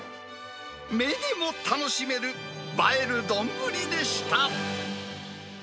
目にも楽しめる、映える丼でした。